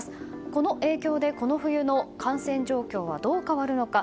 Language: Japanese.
この影響でこの冬の感染状況はどう変わるのか。